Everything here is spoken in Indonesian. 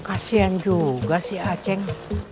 kasian juga si aceng